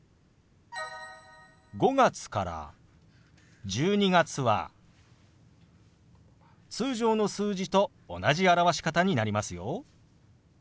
５月から１２月は通常の数字と同じ表し方になりますよ。